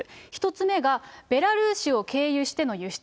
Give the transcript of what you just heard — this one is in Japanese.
１つ目がベラルーシを経由しての輸出。